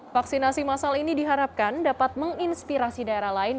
vaksinasi masal ini diharapkan dapat menginspirasi daerah lain